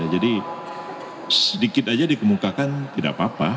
jadi sedikit saja dikemukakan tidak apa apa